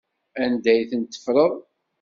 Anda ay tent-teffreḍ?